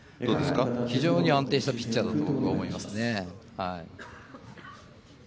非常に安定したピッチャーだと僕は思いますね。